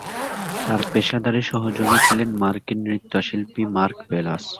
তার পেশাদারী সহযোগী ছিলেন মার্কিন নৃত্য শিল্পী মার্ক ব্যালাস।